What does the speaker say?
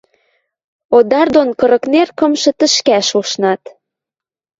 Одар дон Кырыкнер кымшы тӹшкӓш ушнат.